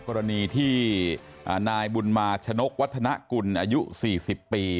กรณีที่นายบุญมาชนกวัฒนากุลอายุ๔๐ปี